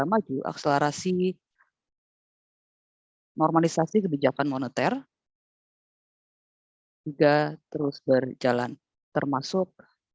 maju akselerasi normalisasi kebijakan moneter juga terus berjalan termasuk